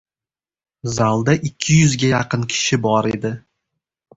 Zalda ikki yuzga yaqin kishi bor edi.